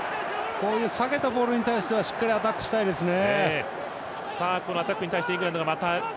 こういう下げたボールに対してはしっかりアタックしたいですね。